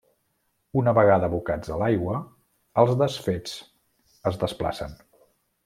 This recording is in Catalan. Una vegada abocats a l'aigua, els desfets es desplacen.